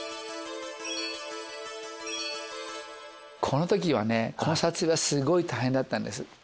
この時はねコンサート中はすごい大変だったんです。